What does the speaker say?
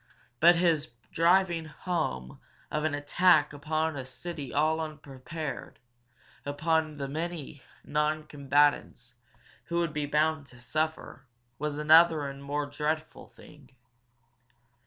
But his driving home of an attack upon a city all unprepared, upon the many non combatants who would be bound to suffer, was another and more dreadful thing.